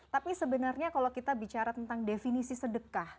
tapi sebenarnya kalau kita bicara tentang definisi sedekah